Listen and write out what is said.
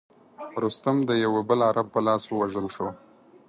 رستم د یوه بل عرب په لاس ووژل شو.